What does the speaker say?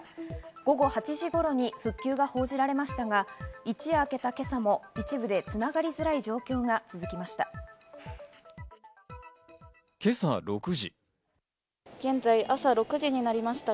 午後８時頃に復旧が報じられましたが、一夜明けた今朝も一部でつながりづらい状況が続きました。